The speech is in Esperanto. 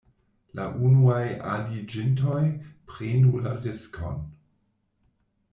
La unuaj aliĝintoj prenu la riskon...